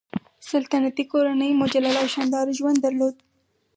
سلطنتي کورنۍ مجلل او شانداره ژوند درلود.